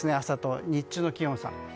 朝と日中の気温差。